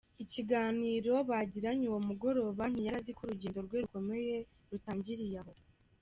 Ikiganiro bagiranye uwo mugoroba ntiyari azi ko urugendo rwe rukomeye rutangiriye aho.